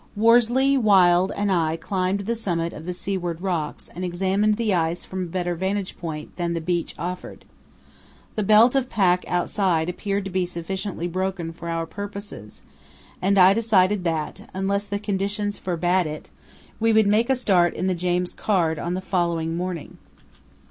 Worsley, Wild, and I climbed to the summit of the seaward rocks and examined the ice from a better vantage point than the beach offered. The belt of pack outside appeared to be sufficiently broken for our purposes, and I decided that, unless the conditions forbade it, we would make a start in the James Caird on the following morning.